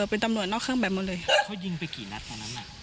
เป็นตำรวจนอกเครื่องแบบหมดเลยเขายิงไปกี่นัดตอนนั้นน่ะ